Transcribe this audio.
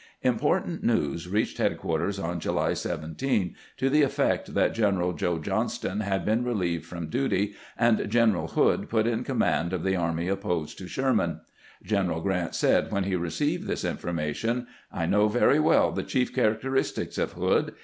Important news reached headquarters on July 17 to the effect that Greneral Joe Johnston had been relieved from duty, and Greneral Hood put in command of the army opposed to Sherman. General Grant said when he received this information :" I know very well the chief characteristics of Hood.